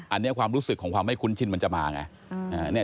อันนี้ความรู้สึกของความไม่คุ้นชินมันจะมาไง